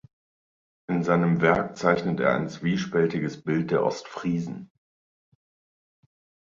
In seinem Werk zeichnet er ein zwiespältiges Bild der Ostfriesen.